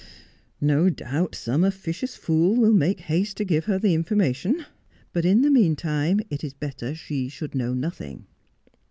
' No doubt some officious fool will make haste to give her the information. But, in the meantime, it is better she should know nothing.'